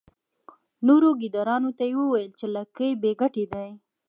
نورو ګیدړانو ته یې وویل چې لکۍ بې ګټې دي.